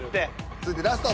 続いてラスト。